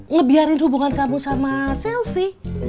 ngebiarin hubungan kamu sama selfie